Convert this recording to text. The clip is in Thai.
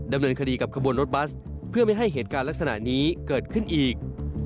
ดำเนินคดีกับขบวนรถบัสเพื่อไม่ให้เหตุการณ์ลักษณะนี้เกิดขึ้นอีก